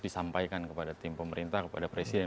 disampaikan kepada tim pemerintah kepada presiden